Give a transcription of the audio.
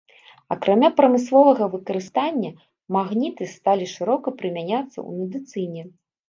Акрамя прамысловага выкарыстання, магніты сталі шырока прымяняцца ў медыцыне.